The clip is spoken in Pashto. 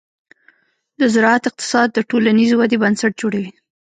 د زراعت اقتصاد د ټولنیزې ودې بنسټ جوړوي.